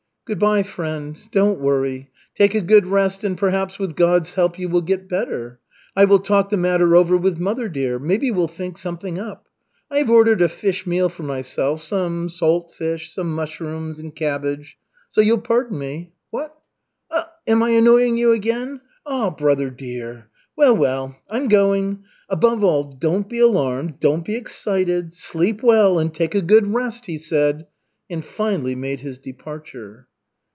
"Good by, friend, don't worry. Take a good rest, and perhaps with God's help you will get better. I will talk the matter over with mother dear. Maybe we'll think something up. I have ordered a fish meal for myself, some salt fish, some mushrooms and cabbage. So you'll pardon me. What? Am I annoying you again? Ah, brother dear! Well, well, I'm going. Above all, don't be alarmed, don't be excited, sleep well and take a good rest," he said, and finally made his departure.